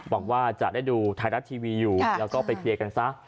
บอกว่าจะได้ดูไทยรัฐทีวีอยู่แล้วก็ไปเคลียร์กันซะ